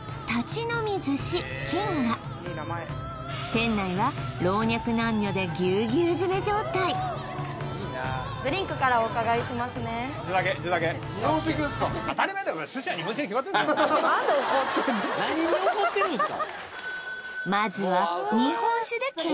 店内は老若男女でぎゅうぎゅうづめ状態何に怒ってるんすか？